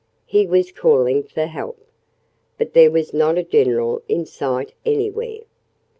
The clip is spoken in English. He was calling for help. But there was not a general in sight anywhere.